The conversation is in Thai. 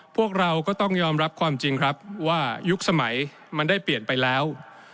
พวกเราก็ต้องยอมรับความจริงครับว่ายุคสมัยมันได้เปลี่ยนไปแล้ว